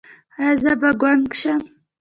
ایا زه به ګونګ شم؟